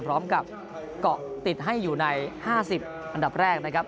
พร้อมกับเกาะติดให้อยู่ใน๕๐อันดับแรกนะครับ